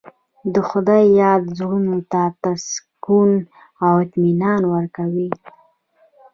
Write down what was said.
د خدای یاد زړونو ته سکون او اطمینان ورکوي.